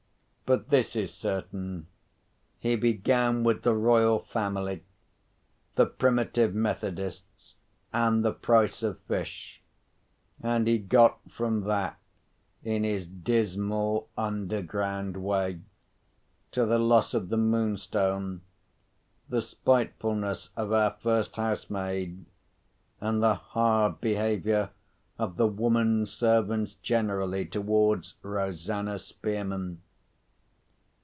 But this is certain, he began with the Royal Family, the Primitive Methodists, and the price of fish; and he got from that (in his dismal, underground way) to the loss of the Moonstone, the spitefulness of our first house maid, and the hard behaviour of the women servants generally towards Rosanna Spearman.